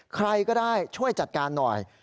ใครก็ได้ช่วยจัดการหน่อย